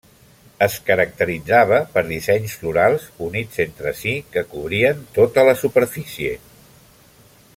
Es caracteritzava per dissenys florals units entre si que cobrien tota la superfície.